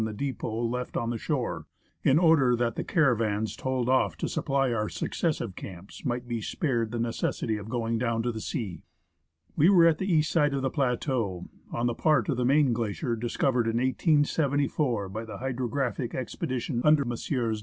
the depot left on the shore, in order that the caravans told off to supply our successive camps might be spared the necessity of going down to the sea. We were at the east side of the plateau, on the part of the main glacier discovered in 1874 by the hydrographic expedition under Messrs.